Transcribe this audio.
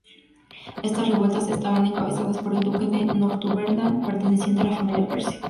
Estas revueltas estaban encabezadas por el duque de Northumberland, perteneciente a la familia Percy.